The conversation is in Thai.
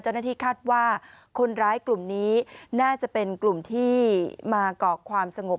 เจ้าหน้าที่คาดว่าคนร้ายกลุ่มนี้น่าจะเป็นกลุ่มที่มาก่อความสงบ